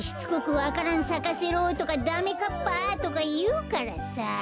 「わか蘭さかせろ」とか「ダメかっぱ」とかいうからさ。